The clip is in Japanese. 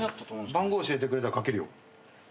番号教えてくれたらかけるよ。